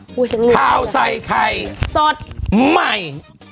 ผาวใส่ไข่โซดใหม่